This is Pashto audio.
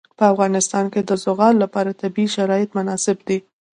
په افغانستان کې د زغال لپاره طبیعي شرایط مناسب دي.